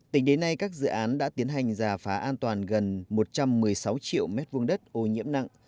tính đến nay các dự án đã tiến hành giả phá an toàn gần một trăm một mươi sáu triệu m hai đất ô nhiễm nặng